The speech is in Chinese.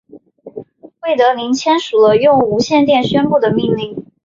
魏德林签署了用无线电宣布的命令。